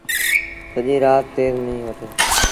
سڄيٚ رآت تيز ميݩهن وٺو۔